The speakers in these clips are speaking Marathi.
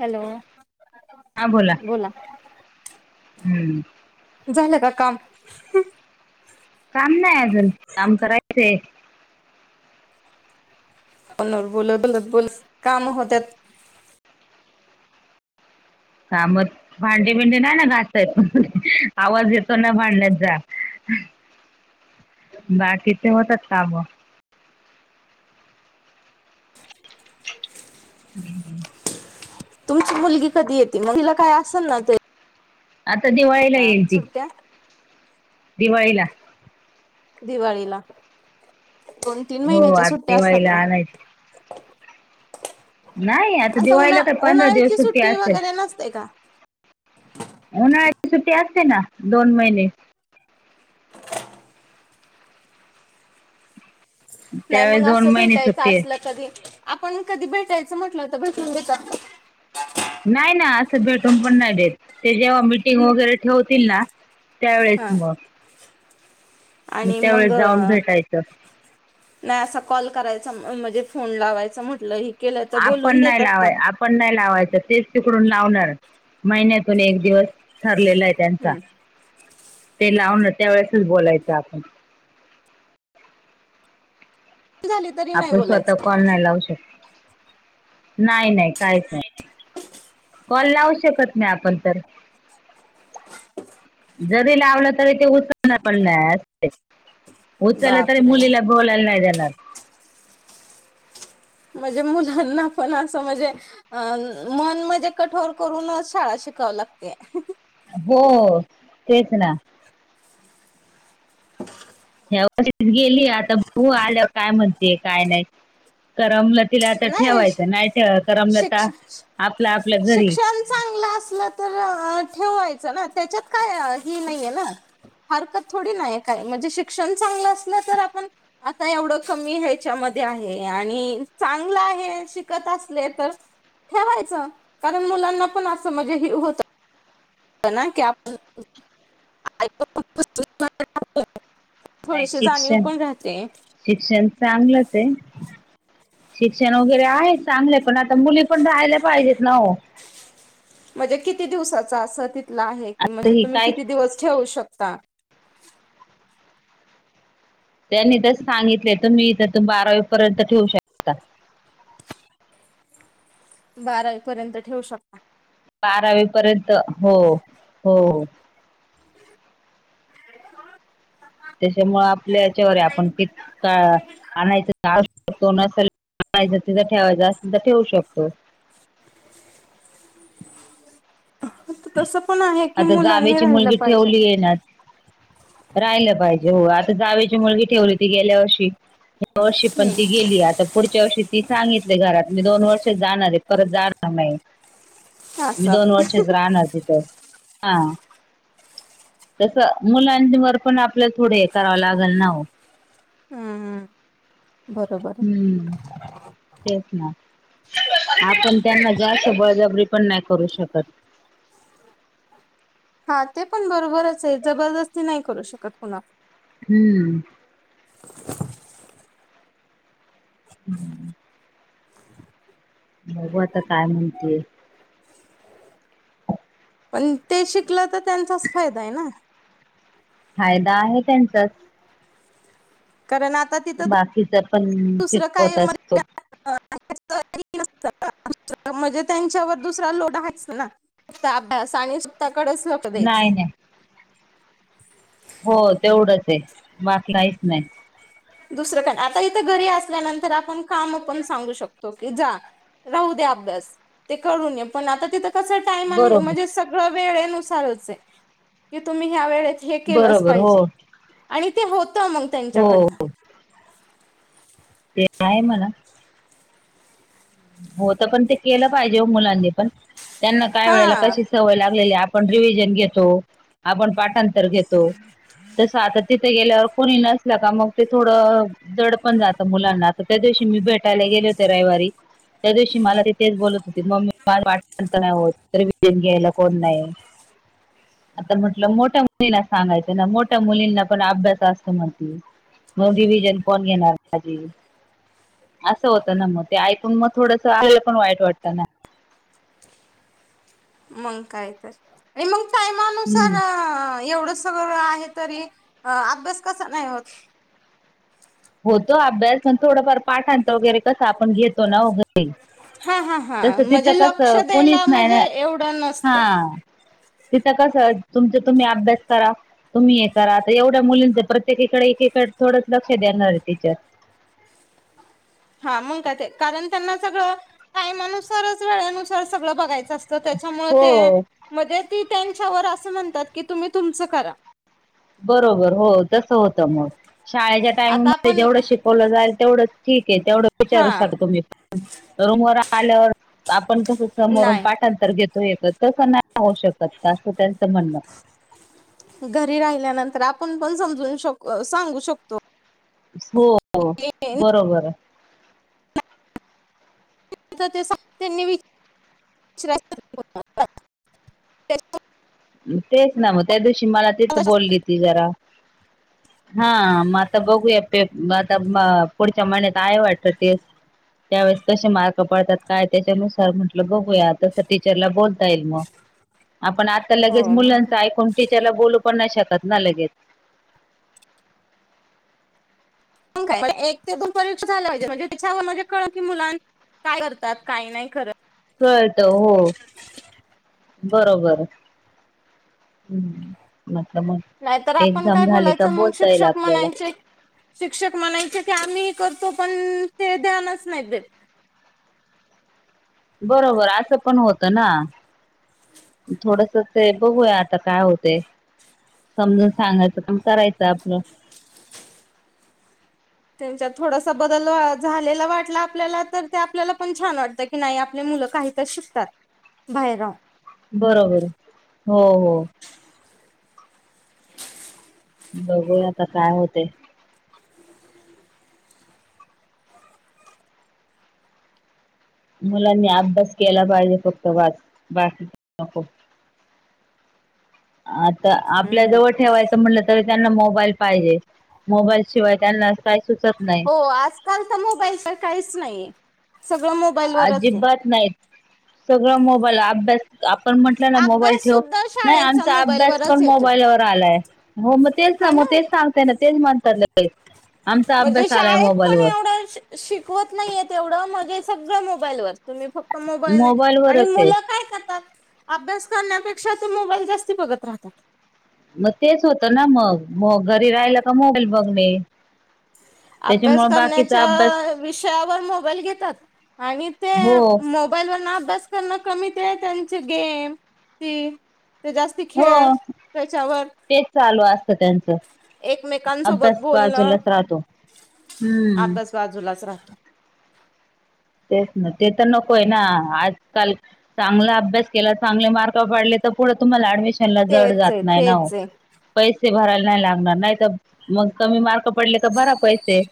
हॅलो बोला हम्म झालं का काम काम नाही अजून काम करायचंय फोन वर बोलत बोलत बोलत काम होत्यात. काम भांडी बिंडी नाय ना घासता येत आवाज येतो ना भांड्यांचा बाकीचे होतात काम [unintelligible] तुमची मुलगी कधी येते म तिला काय असेल ना ते आता दिवाळीला येईल ती सुट्ट्या दिवाळीला दिवाळीला दोन तीन हो महिन्याच्या आता सुट्ट्या असतात दिवाळीला का आणायची [inaudible] नाही, आता असं उन्हा दिवाळीला तर पंधरा दिवस उन्हाळ्याची सुट्टी असेल. वगैरे नसते का उन्हाळ्याची सुट्टी असते ना, दोन महिने. नाही मग त्यावेळेस दोन असं महिने भेटायचं सुट्टी आहे असलं कधी, आपण कधी भेटायचं म्हटलं तर भेटून देतात का? नाही ना, असं भेटून पण नाही देत. ते जेव्हा मी टिंग वगैरे ठेवतील ना, त्यावेेळेस हा मग. मग आणि मंग त्यावेळेस जाऊन भेटायचं नाही असा कॉल करायचा, म म्हणजे फोन लावायचं म्हटलं हे केलं तर बोलून आपण नाही देतात का? लावाय आपण नाही लावायचं, तेच तिकडून लावणार. महिन्यातून एक दिवस ठरलेला आहे त्यांचा. हम्म ते लावणार त्या वेळेसच बोलायचं आपण. झाली तरी नाही आपण स्वतः बोलायचं कॉल नाही लावू शकत? नाही नाही काहीच नाही. कॉल लावू शकत नाही आपण तर. जरी लावलं, तरी ते उचलणार पण नाय. उचलल तरी बापरे मुलीला बोलायला नाही देणार. म्हणजे म मुलांना पण असं म्हणजे अ मन म्हणजे कठोर करूनच शाळा शिकाव लागते. हो तेच ना. यावर्षीच गेली, आता बघू आल्यावर काय म्हणते काय नाही करमलं तिला आता नाही ठेवायचं. नाही ठेवा करमलं तर शिक्ष आपलं आपल्या घरी. शिक्षण चांगलं असलं तर अ ठेवायचं ना, त्याच्यात काय हे नाहीये ना. हरकत थोडी ना आहे काय. म्हणजे शिक्षण चांगलं असलं तर आपण आता एवढं कमी ह्याच्यामधे आहे आणि चांगलं आहे, शिकत असले तर ठेवायचं, कारण मुलांना पण असं म्हणजे हे होत तना ना की आप [unintelligible] नाही थोडीशी जाणीव शिक्षण पण राहते. शिक्षण चांगलंच आहे. शिक्षण वगैरे आहे, चांगल आहे. पण आता मुली पण राहायला पाहिजेत ना ओ. म्हणजे किती दिवसाचा असं तिथलं आहे? की तर म्हणजे ही तुम्ही काय किती दिवस ठेवू शकता? त्यांनी तर सांगितलय तुम्ही इथं तर बारावीपर्यंत ठेवू शक बारावी पर्यंत ठेवू शकता. बारावी पर्यंत, हो हो. त्याच्यामूळ आपल्या याच्यावर आहे. आपण कीत का आणायचं का तो नसल आणायचं, तिथं ठेवायच असेल तर ठेऊ शकतो. [inaudible] तसं पण आहे की आता मुलांनी जावेची राहिला मुलगी पाहिजे. [unintelligible] राहिलं पाहिजे, हो आता जावेची मुलगी ठेवली ती गेल्या वर्षी या वर्षी पण ती हम्म गेली. आता पुढच्या वर्षी ती सांगितलय घरात, मी दोन वर्षच जाणार आहे. परत जाणार नाही. मी असं दोन वर्षच राहणार तिथं. हा. तस मुलांच्या वर पण आपल्या थोडे हे करावं लागल ना हो. हम् हम. हम्म. तेच ना, आपण त्यांना जास्त बळजबरी पण नाही करू शकत. हा, ते पण बरोबरच आहे. जबरदस्ती नाही करू शकत कुणा हम्म. हम्म. बघू आता काय म्हणतेय. पण ते शिकलं, तर त्यांचाच फायदाय ना. फायदा आहे त्यांचाच. कारण आत बाकीचं पण, शिकवत असतोत. [unintelligible] म्हणजे त्यांच्यावर दुसरा लोड आहेच ना. फक्त अभ्यास आणि स्वतः कडेच लक्ष द्यायचं. नाही - नाही. हो, तेवढंचय. बाकी काहीच नाही. दुसरं का नाही. आता इथं घरी असल्यानंतर, आपण काम पण सांगू शकतो की, जा राहू द्या अभ्यास. ते करून येे. पण आता तिथं तसं टाईमानी, बरोबर म्हणजे सगळं वेळेनुसारचय. की तुम्ही ह्या वेळेत हे केलंच बरोबर हो पाहिजे. आणि ते होतं मग हो त्यांच्याकडनं. ते आहे मना. होतं, पण ते केलं पाहिजे ओ मुलांनी पण. त्यांना काय वेळेला हा कशी सवय लागलेली. आपण रिवीजन घेतो. आपण पाठांतर घेतो. तसं आता तिथं ते गेल्यावर कोणी नसलं का, मग ते थोडं जड पण जात मुलांना. आता त्या दिवशी मी, भेटायला गेले होते रविवारी. त्या दिवशी मला तिथेच बोलत होती. मम्मी, पाठांतर नाही होत. रिविजन घ्यायला कोण नाही. [inaudible] आता म्हटलं मोठ्या मुलींना सांगायचं ना. मोठ्या मुलींना पण अभ्यास असतो म्हटलं. मग रिव्हजन कोण घेणार माझी. असं होत ना मग. ते ऐक कून पण मग थोडंस, आईला पण वाईट वाटतं ना. मंग काय तर. अन् मग हम्म टायमानुसार एवढंस सगंळ आहे तरी. अभ्यास कसा नाही होत. होतो अभ्यास. पण थोडंफार पाठांतर वगैरे कसं, आपण घेतो ना ओ घरी. हा हा हा तसं तिथं म्हणजे लक्ष कसं, कोणीच द्यायला नाही ना. म्हणजे एवढं नसतं हा. तिथं कसं, तुमचा तुम्ही अभ्यास करा. तुम्ही हे करा. आता एवढ्या मुलींचं, प्रत्येकीकडे, एकीकड थोडंच लक्ष देणारय टीचर. हा मग काय ते. कारण त्यांना सगळं, टायमानुसारच वेळेनुसार, सगळं बघायचं असत. त त्याच्यामुळे हो ते. म्हणजे ती त्यांच्यावर असं म्हणतात की, तुम्ही तुमचं करा. बरोबर. हो, तसं होतं मग. शाळेच्या टाइमिंग आता मध्ये आपण जेवढं शिकवलं जाईल, तेवढंच ठीकय. तेवढं हा विचारू शक तुम्ही पण. रूम वर आल्यावर. आपण कसं, समोरून नाही पाठांत तर घेतो एकत्र. तसं नाही होऊ शकत का? असं त्यांचं म्हणणं. घरी राहिल्यानंतर, आपण पण समजून शक सांगू शकतो. हो. बरोबरय. त्यांनी विच [unintelligible] तेच ना मग. त्या दिवशी मला, तेच बोलली ती जरा. हा, मग आता बघूया. पेप आता पुढच्या महिन्यात आहे वाटतं टेस्ट. त्यावेेळेस कसे मार्क पडतात, काय. त्याच्यानुसार म्हटलं, बघूया. तसं टीचरला बोलता येईल मग. आपण आता लगेच हो मग मुलांच ऐकून. टीचरला बोलू पण नाही शकत ना, लगेच. एक ते दोन परीक्षा झाल्या म्हणजे, तिच्यावरून, म्हणजे कळल की, मुलां काय करतात काही नाही करत कळत हो बरोबर ह् म नाहीतर नसल्यामुळे आपण एक्झाम काय झाली तर बोलायचं मग बोलता येईल, शिक्षक आपल्याला म्हणायचे शिक्षक म्हणायचे की आम्ही करतो पण ते ध्यानच नाहीत देत बरोबर असं पण होतं ना, थोडस ते बघूया, आता काय होतय. समजून सांगायचं पण करायचं आपलं त्यांच्यात थोडासा बदल झालेला वाटला, आपल्याला तर ते आपल्याला पण छान वाटत. की नाही आपले मुलं काहीत शिकतात बाहेर राहून, बरोबर हो, हो बघूया आता काय होतय. मुलांनी अभ्यास केला पाहिजे फक्त, बास बाकी नको. आता आपल्या हम्म. जवळ ठेवायचं म्हटलं तर, तरी त्यांना मोबाईल पाहिजे, मोबाईल शिवाय त्यांना काही सुचत नाही. हो आजकाल तर मोबाईल तर काहीच नाही. सगळ मोबा अजिबात नाहीत, सगळं मोबाईल अभ्यास आपण म्हटलं ना मोबाईल अभ्यास ठेव. सुद्धा नाही शाळेचा आमचा अभ्यास मोबाईलवरच पण येतोय. मोबाईलवर आलाय. हो मग तेच सां हाय मग ना. तेच सांगताय ना तेच म्हणतात. आमचा म्हणजे अभ्यास आलाय शाळेत पण मोबाईलवर एवढं शि- शिकवत नाहीय एवढं म्हणजे सगळं मोबाईल वर तुम्ही फक्त मोबाईलने मोबाईलवरच आहे मुलं करतात. अभ्यास करण्यापेक्षा, तो मोबाईल जास्त बाघत राहतात. मग तेच होतं ना मग मग घरी राहिलं का? मोबाईल बघणे, अभ्यास त्याच्यामुळे बाकीचा अभ्यास करण्याच्या विषयावर मोबाईल घेतात, आणि ते हो मोबाईलवरन अभ्यास करणं कमी ते आहे त्यांचे गेम ती ते जास्ती हो खेळ त्याच्यावर तेच चालू असतं त्यांचं अभ्यास एकमेकांसोबत बोलणं, बाजूलाच राहतो हम्म अभ्यास बाजूलाच राहतो. तेच ना, ते तर नको हाय ना आजकाल चांगला अभ्यास केला चांगले मार्क पाडले तर पुढे तुम्हाला ऍडमिशन जड तेच जात आहे नाही. ना ओ तेच आहे पैसे भरावे नाही लागणार नाही तर, मग कमी मार्क पडले तर भरा पैसे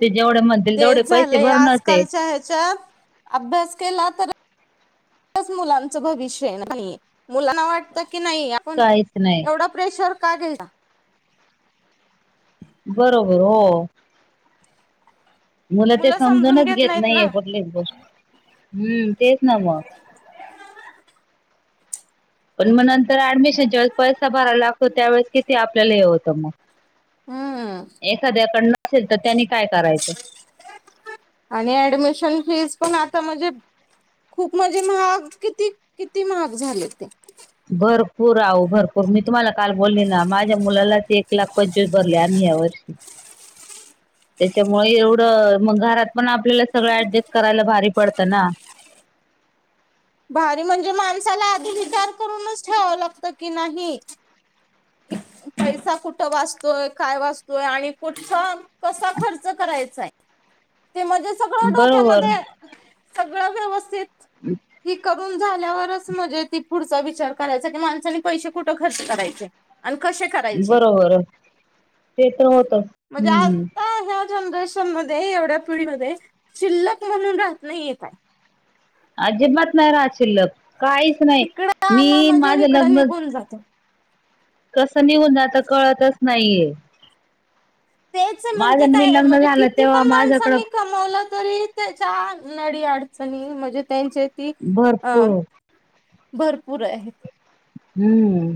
ते जेवढे म्हणतील. तेवढे पैसे भरनच आहे. च्यात अभ्यास केला तर, त्यातच मुलांचं भविष्य आहे मुलांना वाटतं की नाही, पण काहीच नाही एवढा प्रेशर का घ्यायला. बरोबर हो, मूल ते मुलं समजून समजूनवच घेत नाहीत ना नाहीे कुठलीच गोष्ट हम्म तेच ना मग, पण मग नंतर ऍडमिशन ज्या वेळेस पैसा भरायला लागतो. त्यावेेळेस किती आपल्याला हे होतं मगन हम्म एखाद्याकडं नसेल तर त्यानी काय करायचं? आणि ऍडमिशन फीजपण आता म्हणजे, खूप म्हणजे महाग किती-किती महाग झाले त्या भरपूर आहो भरपूर मी तुम्हाला काल बोलली ना, माझ्या मुलालाच एक लाख पंचवीस भरले आम्ही यावर्षी हं [inaudible] त्याच्यामुळे एवढं मग घरात पण आपल्याला सगळं ऍडजस्ट करायला भारी पडतं ना, भारी म्हणजे माणसाला आधी विचार करूनच ठेवावं लागत की नाही, पैसा कुठं वाचतोय? काय वाचतोय आणि कुठचा? कसा खर्च करायचा आहे ते म्हणजे बरोबर डोक्यामध्ये. सगळं व्यवस्थित. [inaudible] ही करून झाल्यावरच म्हणजे ती पुढचा विचार करायचा की माणसनी पैसे कुठं खर्च करायचे. आणि कसे करायचे बरोबर ते तर होतच म्हणजे हम्म आता ह्या. जनरेशन मध्ये एवढ्या पिढी म शिल्लक म्हणून राहत नाही येत आहे. अजिबात नाही राहत शिल्लक काहीच नाही इकडं मी आला म्हणजे माझं इकडं लग्न. निघून जातो. कसं निघून जातं कळतच नाहीये. तेच म्हणते माझं नवीन काय लग्न म्हणजे झालं किती तेव्हा पण माझ्याकडं माणसांनी कम. वल तरी त्याच्या नडी अडचणी म्हणजे त्यांचे ती अ. भरपूर भरपूर आहे. हम्म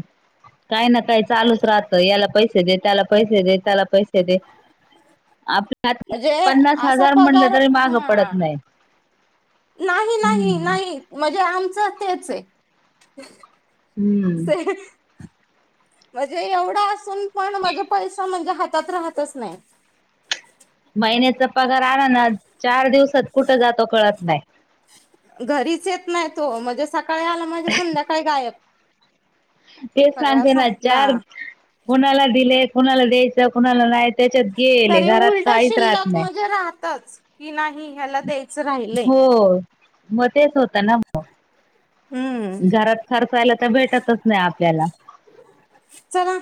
काय ना काय चालूच राहतं याला पैसे. त्याला पैसे दे त्याला पैसे दे आप. आ म्हणजे पन्नास असा हजार म्हटलं पगार तरी माघ पडत हा नाही. नाही नाही हम्म नाही म्हणजे आमचं तेच आहे. हम्म शेत म्हणजे एवढा असून. पण म्हणजे पैसा म्हणजे हातात राहतच नाही. महिन्याचा पगार आला ना चार दिवसात कुठं जातो कळत नाही. घरीच येत नाही तो म्हणजे सकाळी म्हणजे गायब. ते सगळा सांगते ना संपला चार कोणाला दिलेय कोणाला द्यायचं कुणाला नाहीयच. तरी उलट शिल्लक नाही म्हणजे राहतच की नाही. ह्याला द्यायचं राहिले हो मग तेच होत ना मग. हम्म घरात खर्चायला तर भेटतच नाही आपल्याला. चला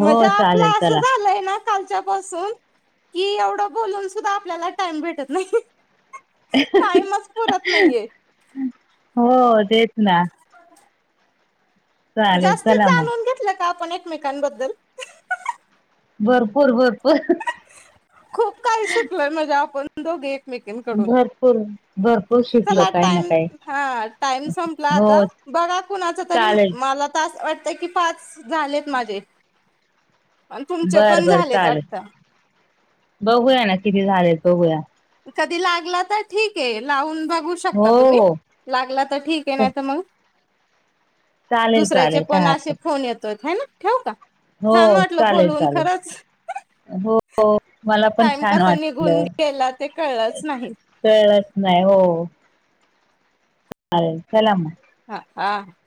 हो चालेल आपला असं चला झालंय ना. कालच्या पासून कि एवढ बोलून सुद्धा आपल्याला टाइम भेटत नाही. टाईमच पुरत नाहीये. हो तेच ना. चालेल जास्तीत चला मग जाणून घेतलं का आपण एकमेकांबद्दल. भरपूर भरपूर. खूप काही शिकलोय म्हणजे. आपण दोघे एकमेकांकडून. भरपूर भरपूर शिकल काही ना काही. हा टाइम संपला हो आता बघा कुणाच तरी चालेल मला. टास्क वाटतय की पाच झालेत माझे. अन तुमचे बर पण बर झालेत चालेल वाटत. बघूया ना किती झालेत बघूया. कधी लागला तर ठीक आहे लावून बघू हो शकता तुम्ही. हो लागला तर ठीक च- तर मग. चालेल दुसऱ्याचे चालेल काय पण असे हरकत फोन येतो ह ना ठेव का. हो छान वाटलं चालेल बोलवून चालेल. खरंच हो मला पण टाइम छान कसा निघून वाटलं. गेला ते कळलंच नाही कळत नाही हो. अ चलाम. हा हा.